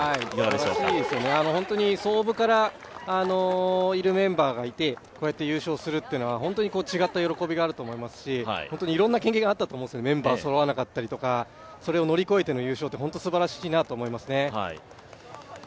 すばらしいですね、創部からいるメンバーがいてこうやって優勝するというのは本当に違った喜びがあると思いますし、本当にいろんな経験があったと思いますメンバーそろわなかったりとかそれを乗り越えての優勝って、本当にすばらしいなと思いますね。